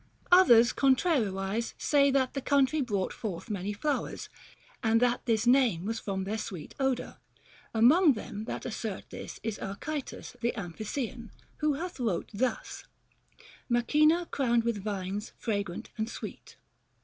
Others contrariwise say that the country brought forth many flowers, and that this name was from their sweet odor ; among them that assert this is Archytas the Amphissean, who hath wrote thus : Macyna crowned with vines fragrant and sweet.